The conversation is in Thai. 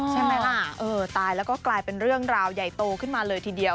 ใช่ไหมล่ะเออตายแล้วก็กลายเป็นเรื่องราวใหญ่โตขึ้นมาเลยทีเดียว